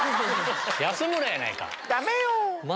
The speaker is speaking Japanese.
安村やないか！